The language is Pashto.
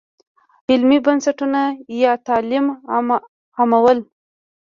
علمي بنسټونه یا تعلیم عامول.